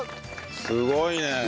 すごいね。